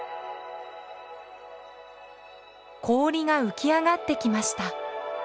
氷が浮き上がってきました。